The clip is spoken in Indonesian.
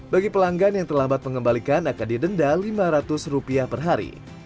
bagi pelanggan yang terlambat mengembalikan akan didenda lima ratus rupiah per hari